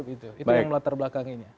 itu yang latar belakang ini